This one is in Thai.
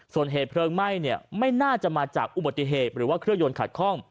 ส่วนเหตุเพลิงไหม้เนี่ยไม่น่าจะมาจากอุบัติเหตุหรือว่าเครื่องยนต์ขัดคล่อง